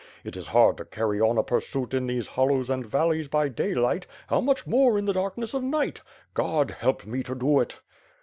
It is hard to carry on a pursuit in these hollows and valleys by daylight, how much more in the darkness of night! God help me to do it!"